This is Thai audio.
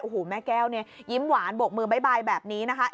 โอ้โหแม่แก้วเนี่ยยิ้มหวานบกมือบ๊ายแบบนี้นะคะ